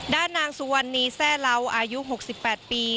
ด้านทางสู่วันนี้ซ่อเลานายุหกสิบแปดปี